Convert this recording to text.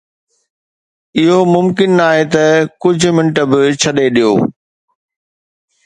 اهو ممڪن نه آهي ته ڪجهه منٽ به ڇڏي ڏيو.